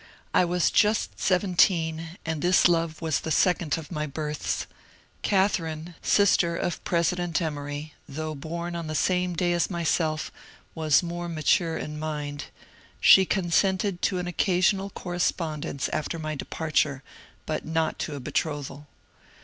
I was just seventeen, and this love was the second of my births. Catharine, sister of President Emory, though bom on the same day as myself, was more mature in mind. She consented to an occasional correspondence after my departure, but not to a betrothal.